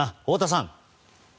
太田さん。